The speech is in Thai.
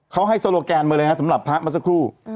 เขาให้โซโลแกนมาเลยนะสำหรับพระเมื่อสักครู่